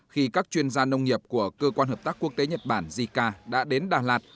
khi các chuyên gia nông nghiệp của cơ quan hợp tác quốc tế nhật bản jica đã đến đà lạt